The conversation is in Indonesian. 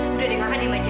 sudah diangkat dia maju